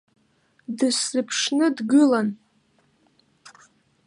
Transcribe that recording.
Дысзыԥшны дгылан.